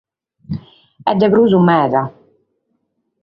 Est de prus meda.